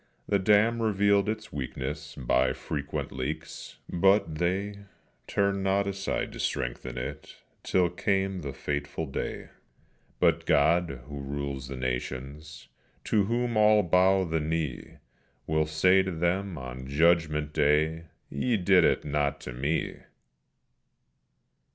The dam revealed its weakness by frequent leaks, but they Turned not aside to strengthen it till came the fateful day; But God, who rules the nations, to whom all bow the knee, Will say to them on judgment day, "_Ye did it not to Me.